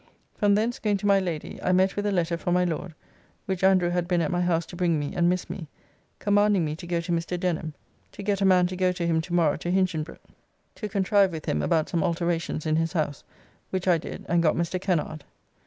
From thence going to my Lady I met with a letter from my Lord (which Andrew had been at my house to bring me and missed me), commanding me to go to Mr. Denham, to get a man to go to him to morrow to Hinchinbroke, to contrive with him about some alterations in his house, which I did and got Mr. Kennard.